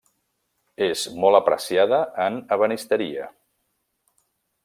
És molt apreciada en ebenisteria.